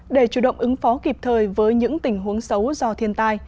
để chủ động ứng phó kịp thời với những tình huống xấu do thiên tai